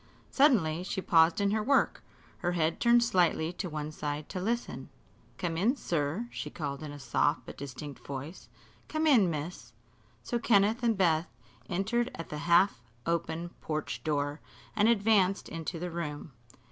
Suddenly she paused in her work, her head turned slightly to one side to listen. "Come in, sir," she called in a soft but distinct voice; "come in, miss." So Kenneth and Beth entered at the half open porch door and advanced into the room.